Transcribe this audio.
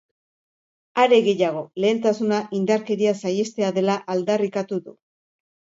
Are gehiago, lehentasuna indarkeria saihestea dela aldarrikatu du.